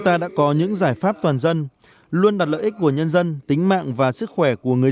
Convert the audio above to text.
ta đã có những giải pháp toàn dân luôn đặt lợi ích của nhân dân tính mạng và sức khỏe của người